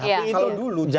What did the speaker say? tapi kalau dulu tidak